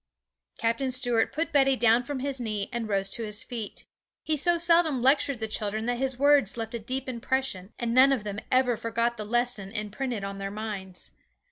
Captain Stuart put Betty down from his knee, and rose to his feet. He so seldom lectured the children that his words left a deep impression, and none of them ever forgot the lesson imprinted on their minds.